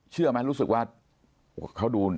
เชื่อไหมรู้สึกว่า